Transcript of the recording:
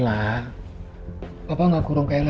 buruh venus itu mimpi tunggal dia dan armita gereja